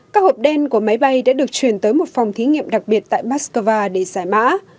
các hộp đen của máy bay đã được chuyển tới một phòng thí nghiệm đặc biệt tại mắc cơ va để giải mã